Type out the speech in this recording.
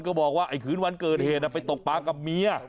ก็บอกว่าไอ้คืนวันเกิดเหตุไปตกปลากับเมีย